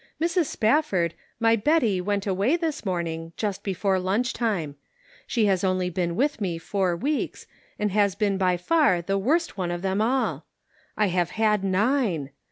Mrs. Spafford, my Serving Christ in the Kitchen* o05 Betty went away this morning; just before lunch time. She has only been with me four weeks, and has been by far the worst one of them all. I have had nine